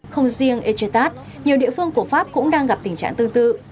không riêng etretat nhiều địa phương của pháp cũng đang gặp tình trạng tương tự